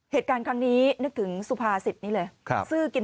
เหตุการณ์ครั้งนี้นึกถึงสุภาษิตนี้เลย